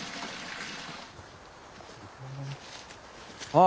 ああ